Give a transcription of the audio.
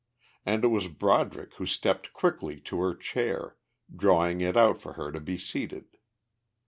And it was Broderick who stepped quickly to her chair, drawing it out for her to be seated.